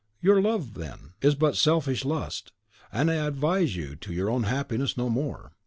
"Your love, then, is but selfish lust, and I advise you to your own happiness no more.